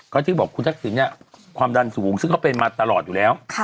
ก็ที่บอกคุณทักษิณเนี่ยความดันสูงซึ่งเขาเป็นมาตลอดอยู่แล้ว